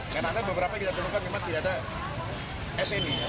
karena ada beberapa yang kita temukan memang tidak ada smi